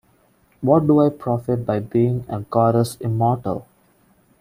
What do I profit by being a goddess immortal?